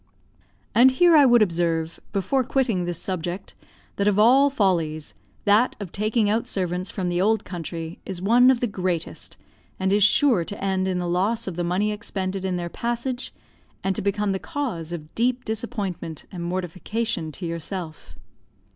And here I would observe, before quitting this subject, that of all follies, that of taking out servants from the old country is one of the greatest, and is sure to end in the loss of the money expended in their passage, and to become the cause of deep disappointment and mortification to yourself.